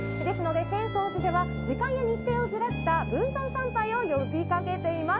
浅草寺では時間や日程をずらした分散参拝を呼び掛けています。